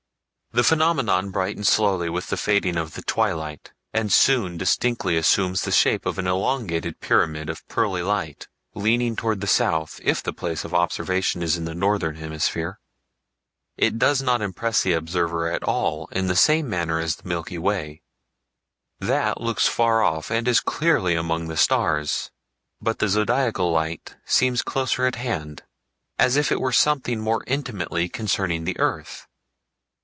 The phenomenon brightens slowly with the fading of the twilight, and soon distinctly assumes the shape of an elongated pyramid of pearly light, leaning toward the south if the place of observation is in the northern hemisphere. It does not impress the observer at all in the same manner as the Milky Way; that looks far off and is clearly among the stars, but the Zodiacal Light seems closer at hand, as if it were something more intimately concerning the earth.